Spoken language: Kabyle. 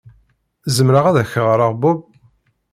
Zemreɣ ad ak-ɣreɣ Bob?